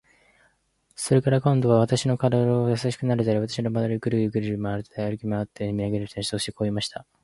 それから、今度は私の身体をやさしくなでたり、私のまわりをぐるぐる歩きまわって眺めていました。そしてこう言いました。